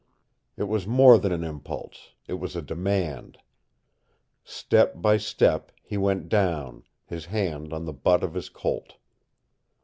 It was more than an impulse it was a demand. Step by step he went down, his hand on the butt of his Colt.